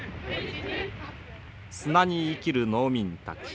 砂に生きる農民たち。